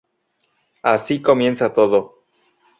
Así comienza todo.